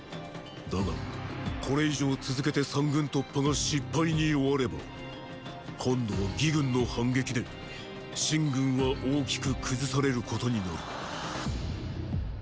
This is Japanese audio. だがこれ以上続けて三軍突破が失敗に終われば今度は魏軍の反撃で秦軍は大きく崩されることになる。